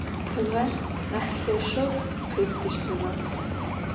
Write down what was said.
Tığer nah lheşşeu khêpsıştığe.